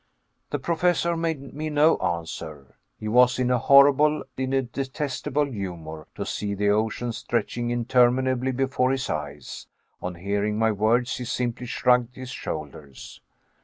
The Professor made me no answer. He was in a horrible, in a detestable humor to see the ocean stretching interminably before his eyes. On hearing my words he simply shrugged his shoulders.